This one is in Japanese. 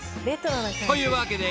というわけで］